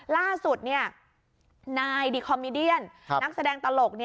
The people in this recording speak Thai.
ล่าสุดนายดิคอมมิเดียนนักแสดงตลก